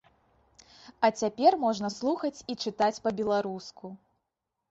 А цяпер можна слухаць і чытаць па-беларуску.